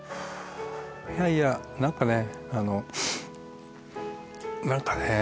いやいや何かね何かね。